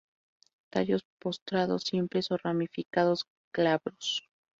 Tallos postrados, simples o ramificados, glabros.